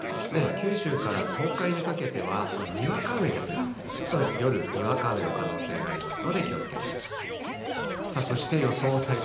九州から東海にかけては、にわか雨ですが、ちょっと夜、にわか雨の可能性がありますので、気をつけてください。